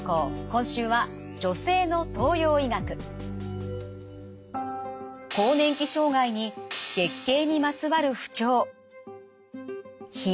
今週は更年期障害に月経にまつわる不調。